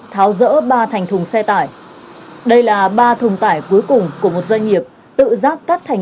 tháo rỡ ba thành thùng xe tải đây là ba thùng tải cuối cùng của một doanh nghiệp tự giác cắt thành